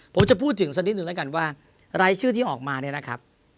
ผมจะพูดถึงสักนิดนึงแล้วกันว่ารายชื่อที่ออกมาเนี่ยนะครับ